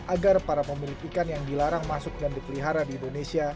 agar para pemilik ikan yang dilarang masuk dan dipelihara di indonesia